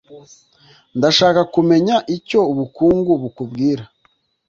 Ndashaka kumenya icyo ubukungu bukubwira.